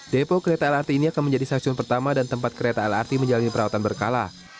depo kereta lrt ini akan menjadi stasiun pertama dan tempat kereta lrt menjalani perawatan berkala